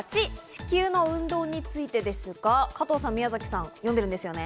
‐地球の運動について‐』ですが加藤さん、宮崎さん読んでるんですよね？